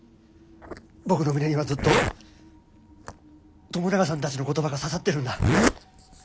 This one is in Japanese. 僕の胸にはずっと友永さんたちの言葉が刺さってるんだ。